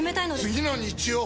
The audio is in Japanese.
次の日曜！